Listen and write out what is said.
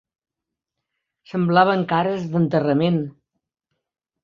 ...semblaven cares d'enterrament